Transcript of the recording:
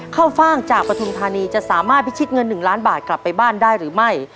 ฟ่างจากปฐุมธานีจะสามารถพิชิตเงิน๑ล้านบาทกลับไปบ้านได้หรือไม่